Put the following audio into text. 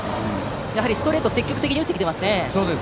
やはりストレートを積極的に打ってきていますね。